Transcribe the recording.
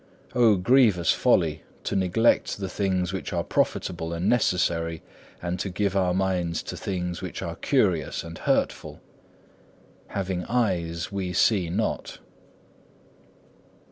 Oh, grievous folly, to neglect the things which are profitable and necessary, and to give our minds to things which are curious and hurtful! Having eyes, we see not.